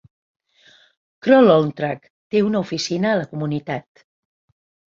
Kroll Ontrack té una oficina a la comunitat.